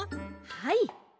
はい。